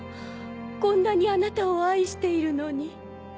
こんなにあなたを愛しているのに。